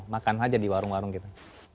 makan aja di warung warung gitu